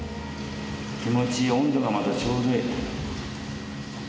気持ちいい温度がまたちょうどいい。